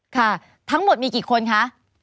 ค่ะทั้งหมดมีกี่คนคะ